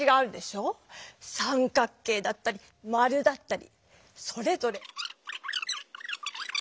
三角形だったり丸だったりそれぞれ。